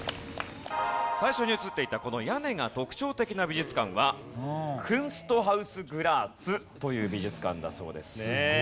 最初に映っていたこの屋根が特徴的な美術館はクンストハウス・グラーツという美術館だそうですね。